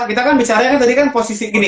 kita kan tadi kan bicara posisi gini